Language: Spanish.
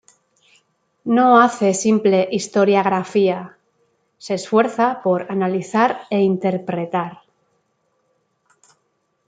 No hace simple historiagrafía.Se esfuerza por analizar e interpretar.